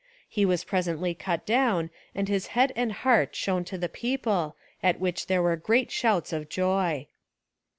He was presently cut down and his head and heart shown to the people at which there were great shouts of joy."